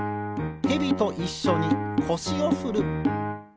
ヘビといっしょにこしをふる。